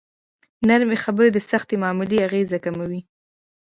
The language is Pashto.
نرمې خبرې د سختې معاملې اغېز کموي.